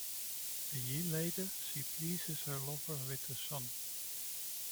A year later, she pleases her lover with a son.